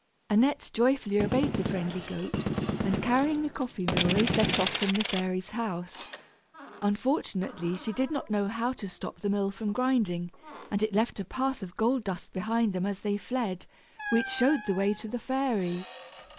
Annette joyfully obeyed the friendly goat, and carrying the coffee mill they set off from the fairy's house. Unfortunately she did not know how to stop the mill from grinding, and it left a path of gold dust behind them as they fled, which showed the way to the fairy.